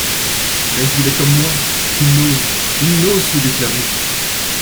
Mais il est comme moi… il n’ose… il n’ose se déclarer…